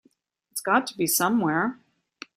It's got to be somewhere.